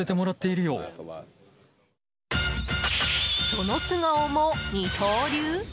その素顔も二刀流？